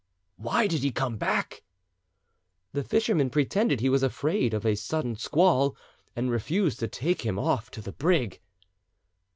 "Why did he come back?" "The fisherman pretended he was afraid of a sudden squall, and refused to take him off to the brig."